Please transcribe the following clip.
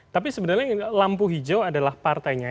tapi sebenarnya lampu hijau adalah partainya